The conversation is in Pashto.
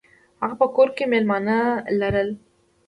هغه په کور کې میلمانه لرل.